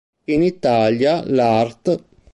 In Italia, l'art.